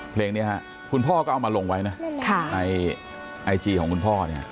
เพลงนี้คุณพ่อก็เอามาลงไว้นะในไอจีของคุณพ่อเนี่ย